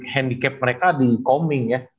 handicap mereka di coming ya